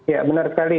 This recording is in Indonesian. ya benar sekali